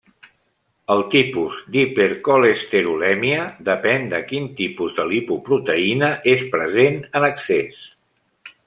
El tipus d'hipercolesterolèmia depèn de quin tipus de lipoproteïna és present en excés.